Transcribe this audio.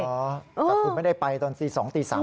แต่คุณไม่ได้ไปตอน๒๐๐๓๐๐นคือสูงนะ